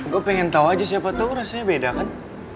gue pengen tau aja siapa tau rasanya beda kan